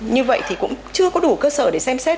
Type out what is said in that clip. như vậy thì cũng chưa có đủ cơ sở để xem xét